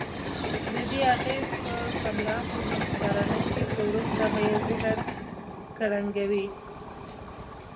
ددې اغېز که سملاسي هم ښکاره نه شي خو وروسته به یې ذهن کړنګوي.